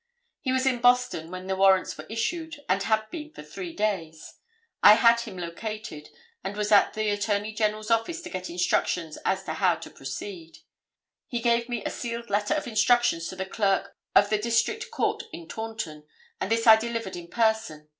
He was in Boston when the warrants were issued, and had been for three days. I had him located, and was at the Attorney General's office to get instructions as to how to proceed. He gave me a sealed letter of instructions to the clerk of the District Court in Taunton, and this I delivered in person.